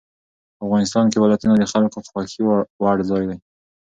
افغانستان کې ولایتونه د خلکو خوښې وړ ځای دی.